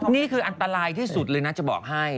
นี่คืออันตรายที่สุดเลยนะจะบอกให้